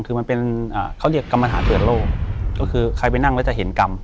คือมันเป็นอ่าเขาเรียกกรรมฐานเปิดโลกก็คือใครไปนั่งแล้วจะเห็นกรรม